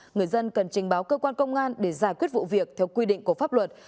người dân cần trình báo cơ quan công an để giải quyết vụ việc theo quy định của pháp luật